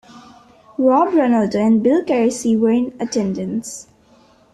Rob Ronaldo and Bill Carinci were in attendance.